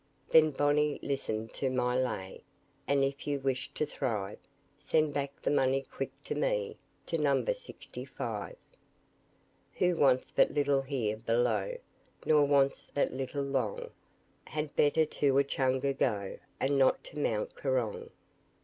Then, Bonney, listen to my lay, And if you wish to thrive, Send back the money quick to me, To number sixty five. Who wants but little here below, Nor wants that little long, Had better to Echunga go, And not to Mount Coorong.